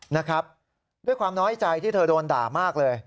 นะครับด้วยความน้อยใจที่เธอโดนด่ามากเลย